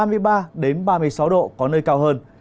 nhiệt độ cao nhất là ba mươi ba ba mươi sáu độ có nơi cao hơn